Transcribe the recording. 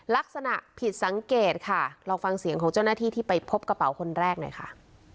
ลักษณะผิดสังเกตค่ะลองฟังเสียงของเจ้าหน้าที่ที่ไปพบกระเป๋าคนแรกหน่อยค่ะ